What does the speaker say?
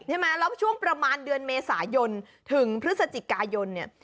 ใช่ไหมแล้วช่วงประมาณเดือนเมษายนถึงพฤศจิกายนเนี่ย